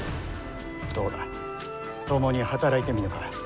どうだ？ともに働いてみぬか？